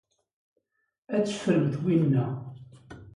Ad teffremt winna.